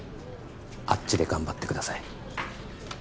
あっちで頑張ってください